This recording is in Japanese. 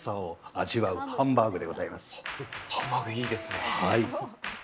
ハンバーグいいですね！